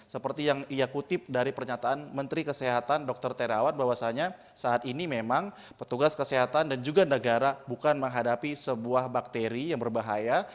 seperti yang ia kutip dari pernyataan menteri kesehatan dr terawan bahwasannya saat ini memang petugas kesehatan dan juga negara bukan menghadapi sebuah bakteri yang berbahaya